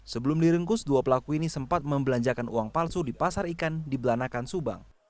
sebelum diringkus dua pelaku ini sempat membelanjakan uang palsu di pasar ikan di belanakan subang